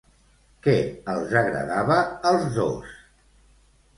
Què els agradava als dos?